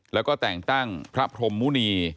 แล้วก็แต่งตั้งพระพรมมุณี